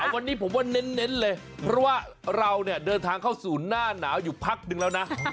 วันนี้ผมว่าเน้นเลยเพราะว่าเราเนี่ยเดินทางเข้าสู่หน้าหนาวอยู่พักนึงแล้วนะ